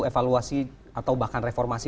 evaluasi atau bahkan reformasi